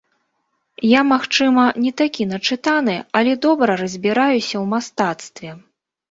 Я магчыма, не такі начытаны, але добра разбіраюся ў мастацтве.